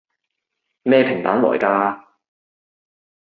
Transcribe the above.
咩平板來㗎？